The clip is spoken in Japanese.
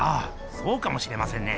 そうかもしれませんね。